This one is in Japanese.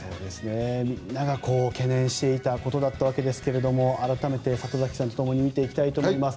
みんなが懸念していたことだったわけですが改めて里崎さんとともに見ていきたいと思います。